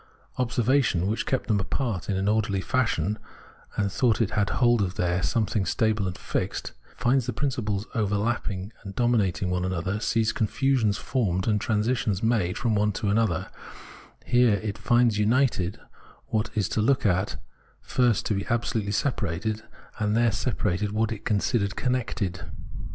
Observation which kept them apart in orderly fashion, and thought it had hold there of something stable and fixed, finds the principles overlapping and domin ating one another, sees confusions formed and transi tions made from one to another; here it finds united what it took at first to be absolutely separated, and there separated what it considered connected.